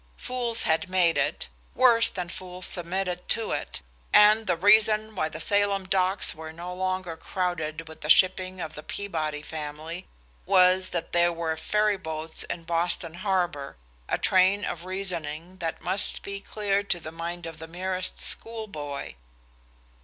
Fools had made it, worse than fools submitted to it, and the reason why the Salem docks were no longer crowded with the shipping of the Peabody family was that there were ferry boats in Boston harbor, a train of reasoning that must be clear to the mind of the merest schoolboy.